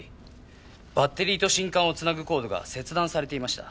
バッテリーと信管を繋ぐコードが切断されていました。